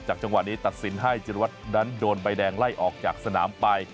จังหวะนี้ตัดสินให้จิรวัตรนั้นโดนใบแดงไล่ออกจากสนามไป